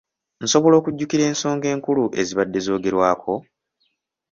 Nsobola okujjukira ensonga enkulu ezibadde zoogerwako?